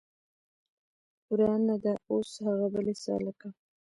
ورانه ده اوس هغه بلۍ سالکه